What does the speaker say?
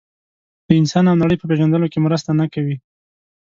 د انسان او نړۍ په پېژندلو کې مرسته نه کوي.